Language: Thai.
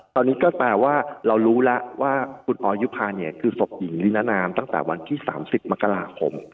ตอนนี้ก็แปลว่าเรารู้แล้วว่าคุณออยุภาเนี่ยคือศพหญิงลีนานามตั้งแต่วันที่๓๐มกราคม